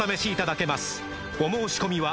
お申込みは